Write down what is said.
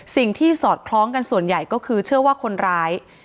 สอดคล้องกันส่วนใหญ่ก็คือเชื่อว่าคนร้าย